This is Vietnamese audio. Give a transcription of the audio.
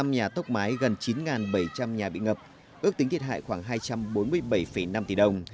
năm nhà tốc mái gần chín bảy trăm linh nhà bị ngập ước tính thiệt hại khoảng hai trăm bốn mươi bảy năm tỷ đồng